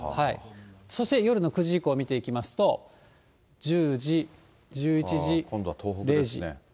そして夜の９時以降見ていきますと、１０時、今度は東北ですね。